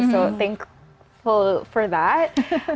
jadi terima kasih untuk itu